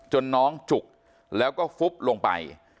น้องจุกแล้วก็ฟุบลงไป